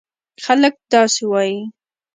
خلک داسې وایي: